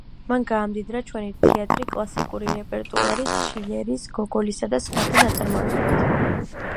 მან გაამდიდრა ჩვენი თეატრი კლასიკური რეპერტუარით, შილერის, გოგოლის და სხვათა ნაწარმოებებით.